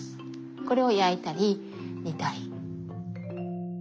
これを焼いたり煮たり。